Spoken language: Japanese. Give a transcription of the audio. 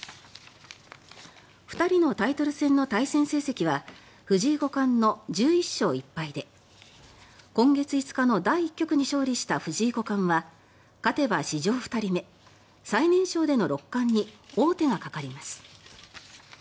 ２人のタイトル戦の対戦成績は藤井五冠の１１勝１敗で今月５日の第１局に勝利した藤井五冠は勝てば史上２人目最年少での六冠に王手がかかります。